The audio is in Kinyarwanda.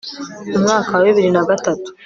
mu mwaka wa bibiri na gatatu